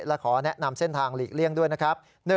และขอแนะนำเส้นทางหลีกเลี่ยงด้วยนะครับ